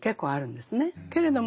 けれども